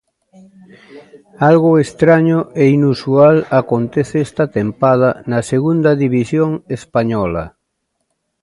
Algo estraño e inusual acontece esta tempada na Segunda División española.